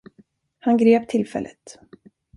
Han grep tillfället.